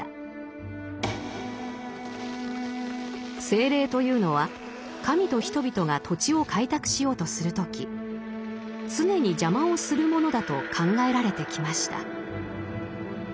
精霊というのは神と人々が土地を開拓しようとする時常に邪魔をするものだと考えられてきました。